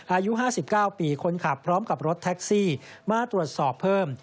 อายุ๕๙ปีคนขับพร้อมกับรถแท็กซี่มาตรวจสอบเพิ่ม